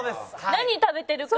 何食べてるか？